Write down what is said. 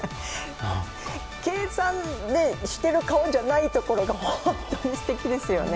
計算でしている顔じゃないところが本当にすてきですよね。